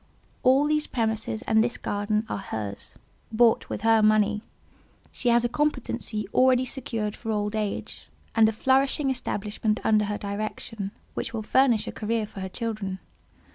All these premises and this garden are hers, bought with her money; she has a competency already secured for old age, and a flourishing establishment under her direction, which will furnish a career for her children.